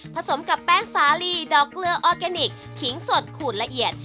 สมกับแป้งสาลีดอกเกลือออร์แกนิคขิงสดขูดละเอียด